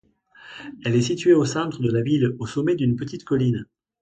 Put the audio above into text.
Elle est située au centre de la ville, au sommet d'une petite colline.